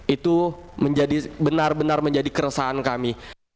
itu benar benar menjadi keresahan kami